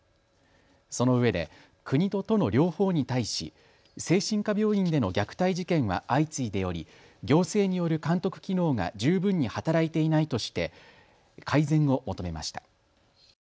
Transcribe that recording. そのうえで国と都の両方に対し精神科病院での虐待事件は相次いでおり行政による監督機能が十分に働いていないとして改善を求めました。